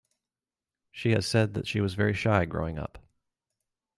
She has said that she was very shy growing up.